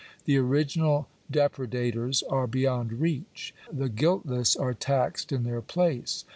The original depredators are beyond reach. The guiltless are taxed in their place.